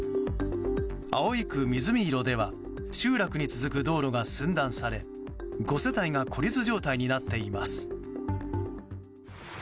葵区水見色では集落に続く道路が寸断され５世帯が孤立状態になっています。